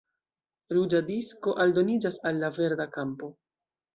Ruĝa disko aldoniĝas al la verda kampo.